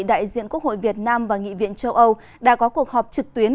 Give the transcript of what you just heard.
đại diện quốc hội việt nam và nghị viện châu âu đã có cuộc họp trực tuyến